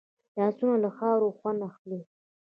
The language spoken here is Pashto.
لاسونه له خاورې خوند اخلي